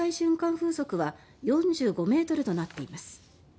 風速は４５ｍとなっています。